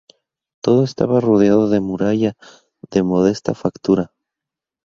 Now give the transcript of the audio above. Todo estaba rodeado de muralla de modesta factura.